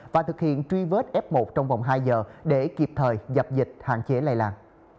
và thực hiện truy vết f một trong vòng hai giờ để kịp thời dập dịch hạn chế lây lan